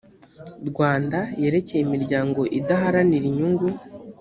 rwanda yerekeye imiryango idaharanira inyungu